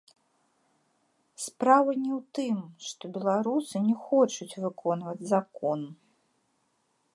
Справа не ў тым, што беларусы не хочуць выконваць закон.